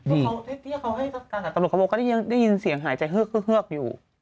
ที่เขาให้การกับตำรวจเขาบอกก็ได้ยินเสียงหายใจเฮือกอยู่